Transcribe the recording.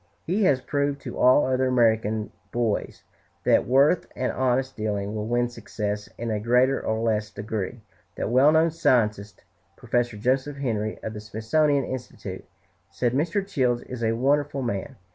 He has proved to all other American boys that worth and honest dealing will win success, in a greater or less degree. That well known scientist, Prof. Joseph Henry, of the Smithsonian Institute, said, "Mr. Childs is a wonderful man.